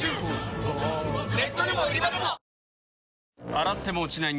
洗っても落ちない